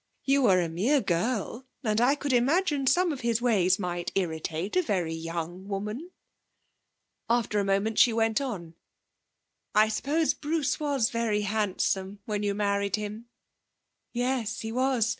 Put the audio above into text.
You were a mere girl, and I could imagine some of his ways might irritate a very young woman.' After a moment she went on: 'I suppose Bruce was very handsome when you married him?' 'Yes, he was.